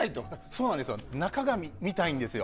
そうなんですよ中が見たいんですよ。